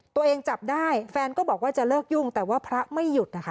จับได้แฟนก็บอกว่าจะเลิกยุ่งแต่ว่าพระไม่หยุดนะคะ